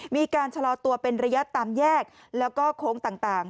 มีการชะลอตัวเป็นระยะตามแยกแล้วก็โค้งต่าง